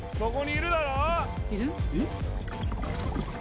いる？